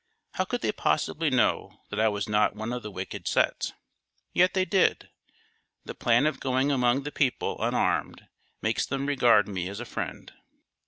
How could they possibly know that I was not one of the wicked set? Yet they did.... The plan of going among the people unarmed makes them regard me as a friend."